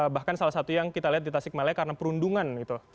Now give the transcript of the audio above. bahkan salah satu yang kita lihat di tasik malaya karena perundungan